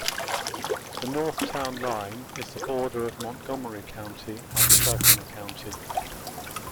The north town line is the border of Montgomery County and Herkimer County.